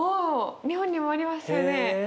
日本にもありますよね。